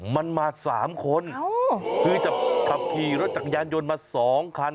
มันมา๓คนคือจะขับขี่รถจักรยานยนต์มา๒คัน